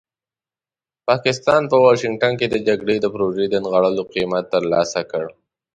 پاکستان په واشنګټن کې د جګړې د پروژې د نغاړلو قیمت ترلاسه کړ.